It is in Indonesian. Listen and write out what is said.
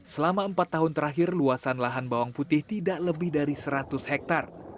selama empat tahun terakhir luasan lahan bawang putih tidak lebih dari seratus hektare